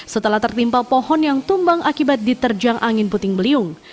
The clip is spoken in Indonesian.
setelah tertimpa pohon yang tumbang akibat diterjang angin puting beliung